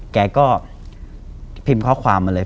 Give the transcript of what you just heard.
แกก็พิมพ์ข้อความมาเลย